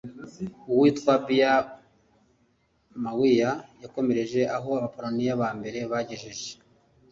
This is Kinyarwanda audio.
witwa Biak Mawia yakomereje aho abapayiniya ba mbere bagejeje